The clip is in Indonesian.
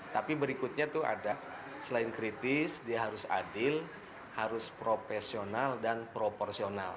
tapi berikutnya tuh ada selain kritis dia harus adil harus profesional dan proporsional